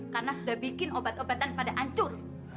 karena sudah bikin obat obatan pada hancur